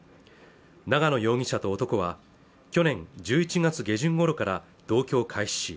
長野容疑者と男は去年１１月下旬頃から同居を開始